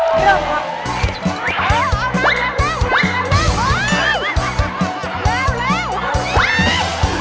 เร็วครับ